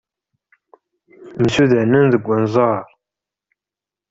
Msudanen deg unẓar.